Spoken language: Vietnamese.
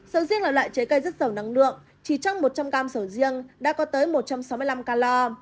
sầu riêng là loại trái cây rất giàu năng lượng chỉ trong một trăm linh cam sầu riêng đã có tới một trăm sáu mươi năm cala